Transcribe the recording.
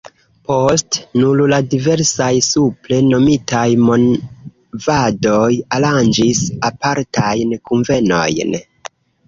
Poste nur la diversaj supre nomitaj movadoj aranĝis apartajn kunvenojn.